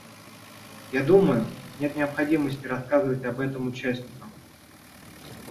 Я думаю, нет необходимости рассказывать об этом участникам.